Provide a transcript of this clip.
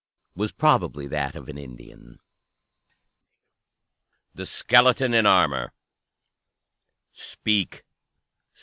was probably that of an Indian. THE SKELETON IN ARMOR "Speak!